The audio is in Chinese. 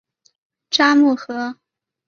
札木合。